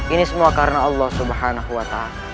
ini semua karena allah swt